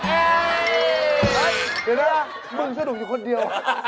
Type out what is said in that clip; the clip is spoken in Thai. เดี๋ยวนะมึงสนุกอยู่คนเดียว